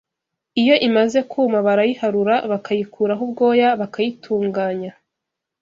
Iyo imaze kuma barayiharura bakayikuraho ubwoya bakayitunganya